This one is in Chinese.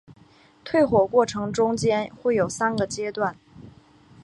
退火过程中间会有三个阶段。